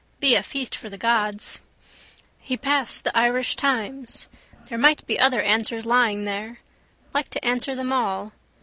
Be a feast for the gods. He passed the Irish Times. There might be other answers lying there. Like to answer them all.